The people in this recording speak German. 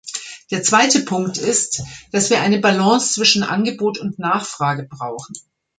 Der zweite Punkt ist, dass wir eine Balance zwischen Angebot und Nachfrage brauchen.